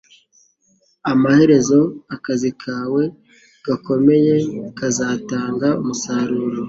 Amaherezo, akazi kawe gakomeye kazatanga umusaruro. ”